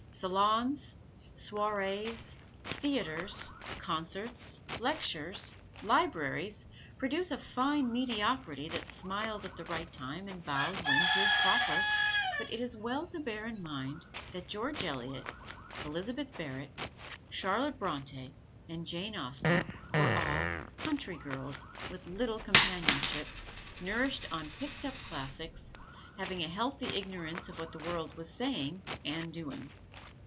Salons, soirees, theaters, concerts, lectures, libraries, produce a fine mediocrity that smiles at the right time and bows when 't is proper, but it is well to bear in mind that George Eliot, Elizabeth Barrett, Charlotte Bronte and Jane Austen were all country girls, with little companionship, nourished on picked up classics, having a healthy ignorance of what the world was saying and doing.